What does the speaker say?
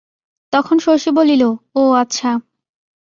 তখন শশী বলিল, ও আচ্ছা।